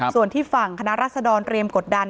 ส่วนที่ฝั่งคณะรัศดรเตรียมกดดัน